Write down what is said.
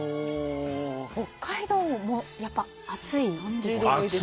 北海道もやっぱり暑いんですか。